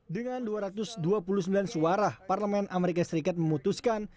dengan dua ratus dua puluh sembilan suara parlemen amerika serikat memutuskan